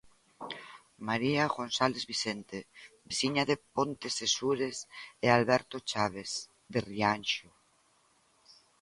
María González Vicente, veciña de Pontecesures e Alberto Chaves, de Rianxo.